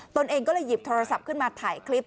ตัวเองก็เลยหยิบโทรศัพท์ขึ้นมาถ่ายคลิป